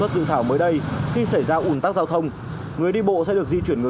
cho những người đi bộ hay không